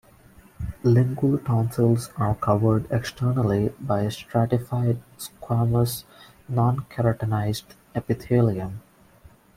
Lingual tonsils are covered externally by stratified squamous nonkeratinized epithelium.